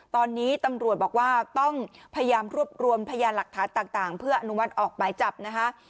ตอนนี้ตำรวจบอกว่าต้องพยายามรวบรวมพยานหลักฐานต่างเพื่ออนุมัติออกหมายจับนะคะ